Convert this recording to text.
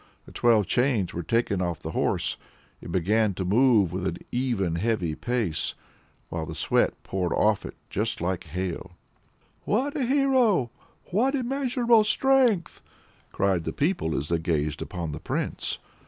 The twelve chains were taken off the horse, it began to move with an even heavy pace, while the sweat poured off it just like hail. "What a hero! What immeasurable strength!" cried the people as they gazed upon the Prince.